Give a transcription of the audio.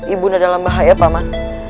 ibu undaku dalam bahaya paman